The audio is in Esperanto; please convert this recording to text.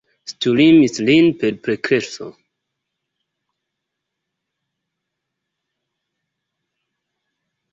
Sturmis lin perplekso.